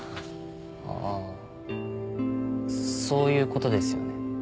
ああそういうことですよね。